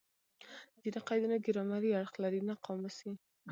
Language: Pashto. ځیني قیدونه ګرامري اړخ لري؛ نه قاموسي.